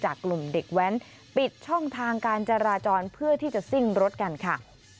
กลุ่มเด็กแว้นปิดช่องทางการจราจรเพื่อที่จะซิ่งรถกันค่ะ